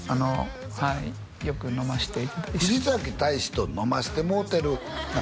はいよく飲ましていただいて藤崎大使と飲ましてもうてる？